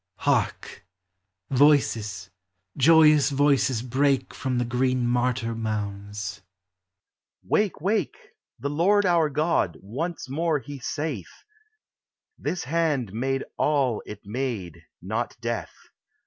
Hark ! voices, joyous voices break From the green martyr mounds : l Wake, wake ! The Lord our God, once more He saith, This hand made all it made ><<>' death.